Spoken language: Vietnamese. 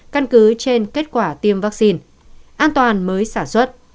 căn cứ trên kết quả tiêm vaccine an toàn mới sản xuất